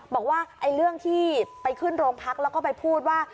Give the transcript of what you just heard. บอกว่าเรื่องที่ไปขึ้นโรงพักแล้วก็ไปพูดว่า